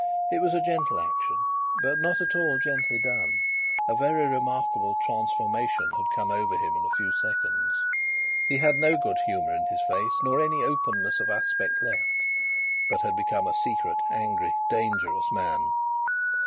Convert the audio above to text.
It was a gentle action, but not at all gently done; a very remarkable transformation had come over him in a few seconds. He had no good humour in his face, nor any openness of aspect left, but had become a secret, angry, dangerous man.